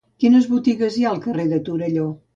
Quines botigues hi ha al carrer de Torelló?